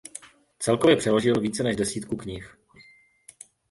Celkově přeložil více než desítku knih.